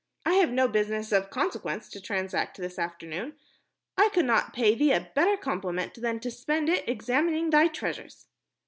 "I have no business of consequence to transact this afternoon. I could not pay thee a better compliment than to spend it examining thy treasures."